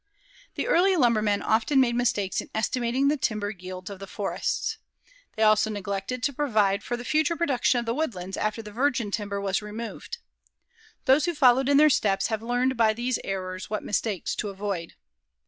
The early lumbermen often made mistakes in estimating the timber yields of the forests. They also neglected to provide for the future production of the woodlands after the virgin timber was removed. Those who followed in their steps have learned by these errors what mistakes to avoid.